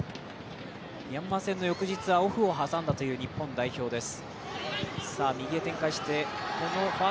ミャンマー戦の翌日はオフを挟んだという日本代表です。